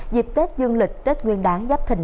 dịp tết dương lịch tết nguyên đáng giáp thình